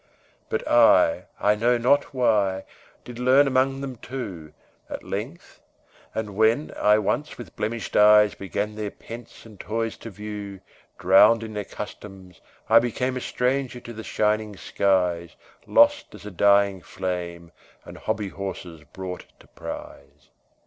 But I, I know not why, Did learn among them too, At length; and when I once with blemished eyes Began their pence and toys to view, Drowned in their customs, I became A stranger to the shining skies, Lost as a dying flame, And hobby horses brought to prize.